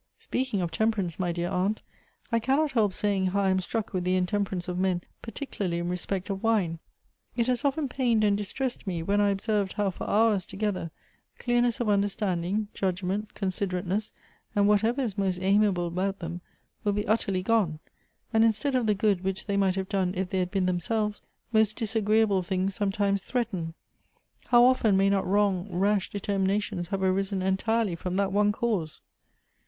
" Speaking of temperance, my dear aunt, I cannot help saying how I am struck with the intemperance of men, particularly in respect of wine. It has often pained and Elective Affinities. 137 distressed me, when I observed how, for hours together, clearness of understanding, judgment, consiclerateiiess, and whatever is most amiable about them, will be utterly gone, and instead of the good which they might have done if they had been themselves, most disagreeable things sometimes threaten How often may not wrong, rash determinations have arisen entirely from that one cause